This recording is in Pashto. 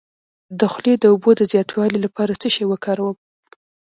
د خولې د اوبو د زیاتوالي لپاره څه شی وکاروم؟